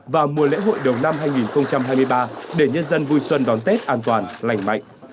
vào mùa lễ hội đầu năm hai nghìn hai mươi ba để nhân dân vui xuân đón tết an toàn lành mạnh